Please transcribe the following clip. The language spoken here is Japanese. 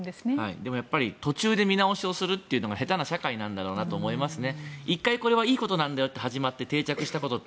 でもやっぱり途中で見直しをするというのが下手な社会なんだなと思いますね。